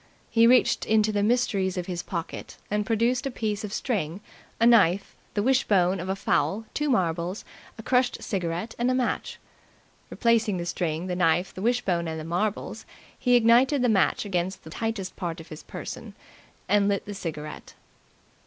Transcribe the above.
He reached into the mysteries of his pocket and produced a piece of string, a knife, the wishbone of a fowl, two marbles, a crushed cigarette, and a match. Replacing the string, the knife, the wishbone and the marbles, he ignited the match against the tightest part of his person and lit the cigarette.